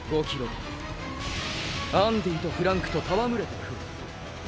アンディとフランクとたわむれてくるよ。